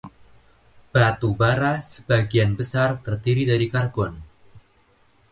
Batu bara sebagian besar terdiri dari karbon.